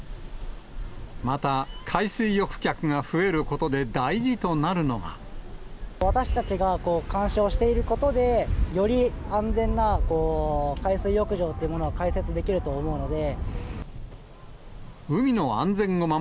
また海水浴客が増えることで、私たちが監視をしていることで、より安全な海水浴場というものを開設できると思うので。